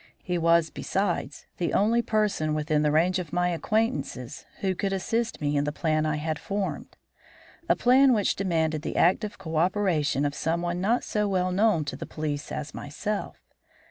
He was, besides, the only person within the range of my acquaintances who could assist me in the plan I had formed; a plan which demanded the active cooperation of someone not so well known to the police as myself.